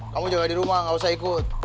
kamu juga di rumah gak usah ikut